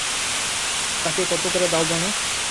তাকে কতো করে দাও যেনো?